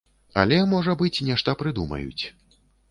Але, можа быць, нешта прыдумаюць.